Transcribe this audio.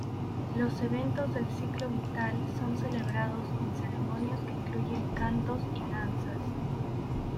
Los eventos del ciclo vital son celebrados en ceremonias que incluyen cantos y danzas.